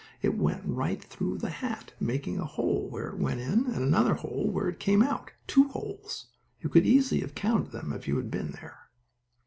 It went right through the hat, making a hole where it went in, and another hole where it came out. Two holes; you could easily have counted them if you had been there.